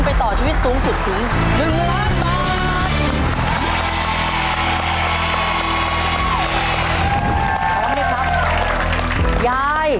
พร้อมไหมจ๊ะ